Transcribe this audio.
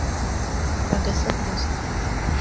bagasakuza